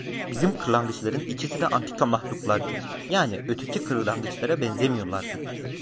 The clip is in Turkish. Bizim kırlangıçların ikisi de antika mahluklardı, yani öteki kırlangıçlara benzemiyorlardı.